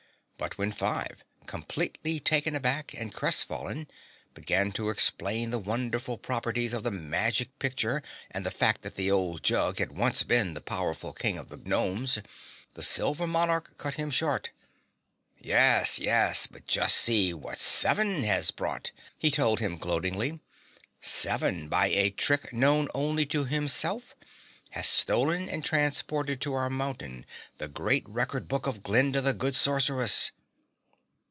And when Five, completely taken aback and crestfallen, began to explain the wonderful properties of the magic picture and the fact that the old jug had once been the powerful King of the Gnomes, the Silver Monarch cut him short. "Yes, yes, but just see what Seven has brought," he told him gloatingly. "Seven, by a trick known only to himself, has stolen and transported to our mountain the great record book of Glinda the Good Sorceress!"